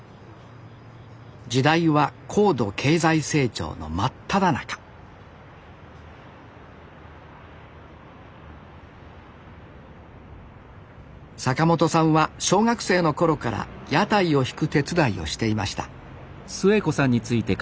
時代は高度経済成長の真っただ中坂本さんは小学生の頃から屋台を引く手伝いをしていました